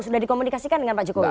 sudah dikomunikasikan dengan pak jokowi